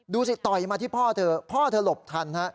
ต่อยมาที่พ่อเธอพ่อเธอหลบทันฮะ